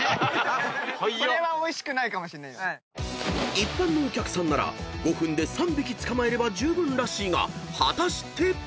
［一般のお客さんなら５分で３匹捕まえれば十分らしいが果たして］